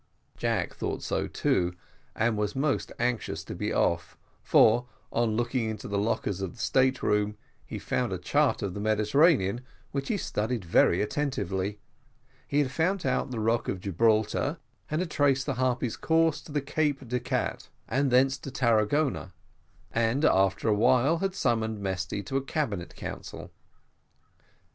Jack thought so too, and was most anxious to be off, for, on looking into the lockers in the state room, he had found a chart of the Mediterranean, which he had studied very attentively he had found out the rock of Gibraltar, and had traced the Harpy's course up to Cape de Gatte, and thence to Tarragona and, after a while, had summoned Mesty to a cabinet council.